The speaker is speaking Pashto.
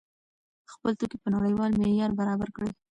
خپل توکي په نړیوال معیار برابر کړئ.